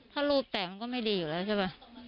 ถ้ารูปแตกมันก็ไม่ดีอยู่แล้วใช่ไหม